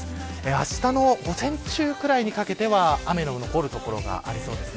あしたの午前中くらいにかけては雨の残る所がありそうです。